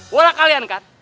bola kalian kan